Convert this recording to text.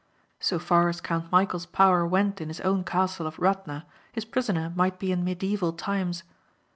So far as Count Michæl's power went in his own castle of Radna his prisoner might be in medieval times.